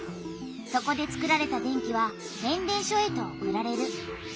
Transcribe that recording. そこでつくられた電気は変電所へと送られる。